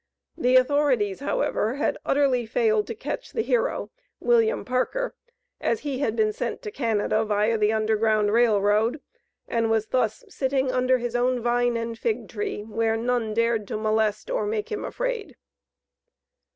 The authorities, however, had utterly failed to catch the hero, William Parker, as he had been sent to Canada, viâ the Underground Rail Road, and was thus "sitting under his own vine and fig tree, where none dared to molest, or make him afraid."